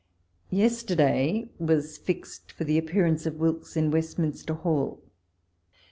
Yesterday was fixed for the appeai' ance of Wilkes in Westminster Hall.